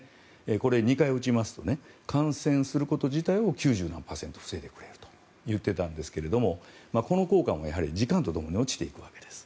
これ、２回打ちますと感染すること自体を９０何パーセント防いでくれると言っていたんですがこの効果も時間とともに落ちていくわけです。